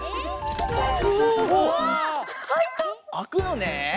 あくのね。